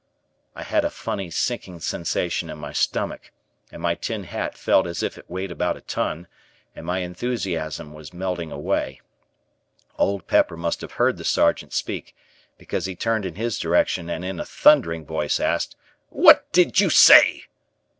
I had a funny sinking sensation in my stomach, and my tin hat felt as if it weighed about a ton and my enthusiasm was melting away. Old Pepper must have heard the Sergeant speak because he turned in his direction and in a thundering voice asked: "What did you say?"